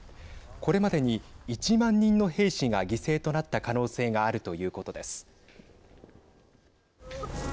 これまでに１万人の兵士が犠牲となった可能性があるということです。